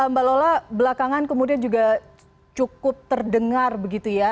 mbak lola belakangan kemudian juga cukup terdengar begitu ya